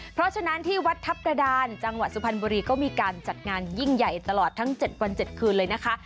เพราะฉะนั้นที่วัดทัพกระดานจังหวัดสุพรรณบุรีก็มีการจัดงานยิ่งใหญ่ตลอดทั้ง๗วัน๗คืนเลยนะคะ